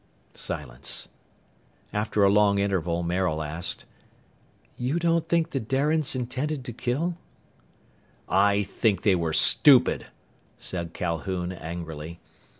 Silence. After a long interval, Maril asked, "You don't think the Darians intended to kill?" "I think they were stupid!" said Calhoun angrily.